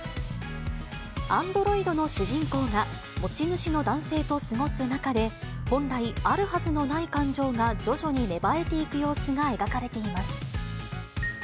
アンドロイドの主人公が、持ち主の男性と過ごす中で、本来あるはずのない感情が、徐々に芽生えていく様子が描かれています。